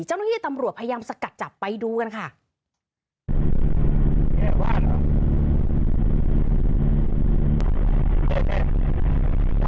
เจ้าหน้าที่ตำรวจพยายามสกัดจับไปดูกันค่ะ